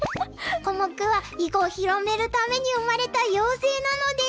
コモクは囲碁を広めるために生まれた妖精なのです。